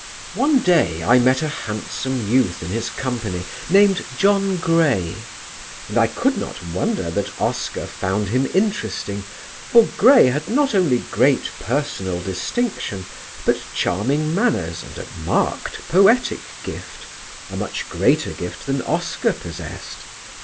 One day I met a handsome youth in his company named John Gray, and I could not wonder that Oscar found him interesting, for Gray had not only great personal distinction, but charming manners and a marked poetic gift, a much greater gift than Oscar possessed.